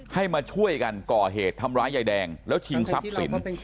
ให้มาช่วยกันก่อเหตุทำร้ายยายแดงแล้วชิงทรัพย์สิน